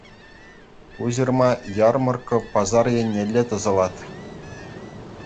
Ку ҫырма «Ярмӑрккӑ» пасар еннелле тӑсӑлать.